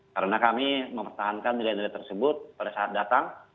karena kami mempertahankan nilai nilai tersebut pada saat datang